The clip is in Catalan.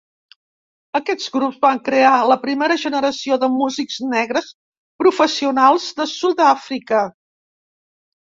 Aquests grups van crear la primera generació de músics negres professionals de Sud-àfrica.